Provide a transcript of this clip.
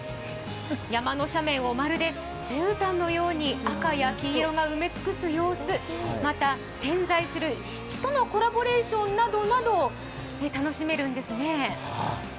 山の斜面をまるでじゅうたんのように赤や黄色が埋め尽くす様子また点在する湿地とのコラボレーションなどなど、楽しめるんですね。